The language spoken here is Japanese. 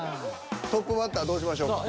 トップバッターどうしましょうか？